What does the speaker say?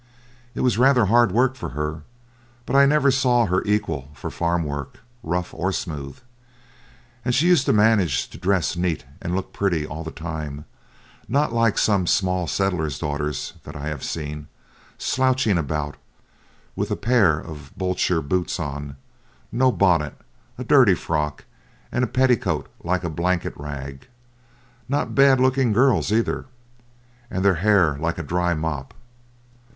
It was rather hard work for her, but I never saw her equal for farm work rough or smooth. And she used to manage to dress neat and look pretty all the time; not like some small settlers' daughters that I have seen, slouching about with a pair of Blucher boots on, no bonnet, a dirty frock, and a petticoat like a blanket rag not bad looking girls either and their hair like a dry mop.